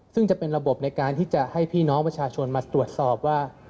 ซึ่งจะเป็นระบบในการที่จะให้พี่น้องประชาชนมาตรวจสอบว่า